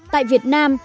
tại việt nam